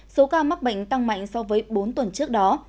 số ca mắc bệnh tăng mạnh so với bốn tuần trước đó